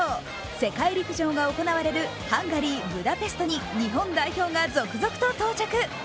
世界陸上が行われるハンガリー・ブダペストに日本代表が続々と到着。